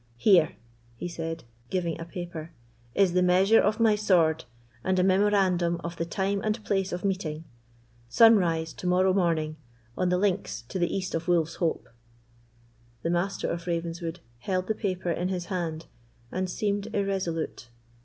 Here," he said, giving a paper, "is the measure of my sword, and a memorandum of the time and place of meeting. Sunrise to morrow morning, on the links to the east of Wolf's Hope." The Master of Ravenswood held the paper in his hand, and seemed irresolute.